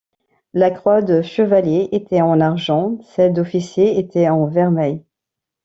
La croix de chevalier était en argent, celle d'officier était en vermeil.